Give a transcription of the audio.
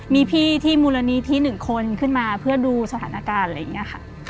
มีพี่ที่มูลนิธิ๑คนขึ้นมาเพื่อดูสถานการณ์อะไรอย่างนี้ค่ะ